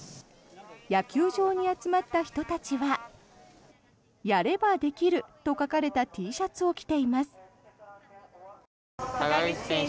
野球場に集まった人たちは「やればできる」と書かれたＴシャツを着ています。